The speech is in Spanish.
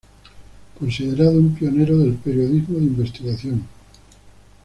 Considerado un pionero del periodismo de investigación.